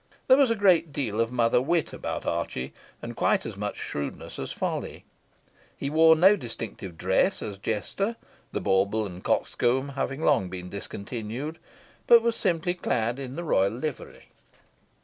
There was a great deal of mother wit about Archie, and quite as much shrewdness as folly. He wore no distinctive dress as jester the bauble and coxcomb having been long discontinued but was simply clad in the royal livery.